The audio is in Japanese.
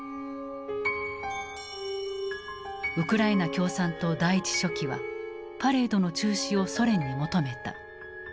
ウクライナ共産党第一書記はパレードの中止をソ連に求めた。